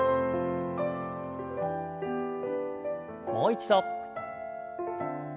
もう一度。